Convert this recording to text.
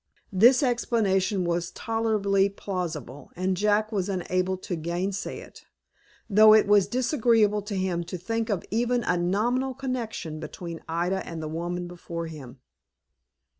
This explanation was tolerably plausible, and Jack was unable to gainsay it, though it was disagreeable to him to think of even a nominal connection between Ida and the woman before him.